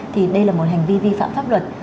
thì đây là một hành vi vi phạm pháp luật